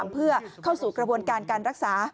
เพื่อเข้าสู่กระบวนการการรักษา